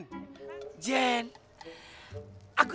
aku tetap mencintai kamu